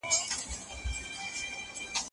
که په بازار مې خرڅوي ورسره ځمه